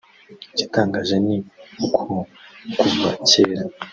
Igitangaje ni uko kuva kera